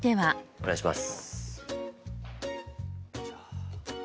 お願いします。